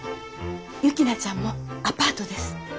雪菜ちゃんもアパートです。